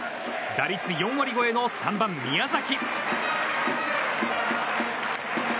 打率４割超えの３番、宮崎。